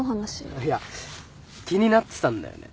いや気になってたんだよね